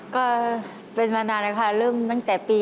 ก็เป็นมานานนะคะเริ่มตั้งแต่ปี๑๙๕๙